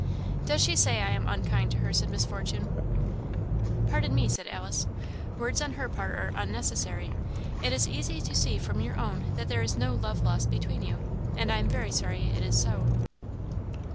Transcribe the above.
"Does she say I am unkind to her?" asked Miss Fortune, fiercely. "Pardon me," said Alice, "words on her part are unnecessary; it is easy to see from your own that there is no love lost between you, and I am very sorry it is so."